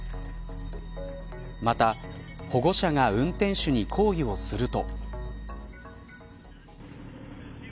また、保護者が運転手に抗議をすると。